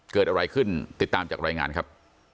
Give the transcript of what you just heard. เกิดอะไรขึ้นติดตามจากรายงานครับ